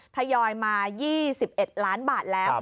ทยอยมา๒๑ล้านบาทแล้ว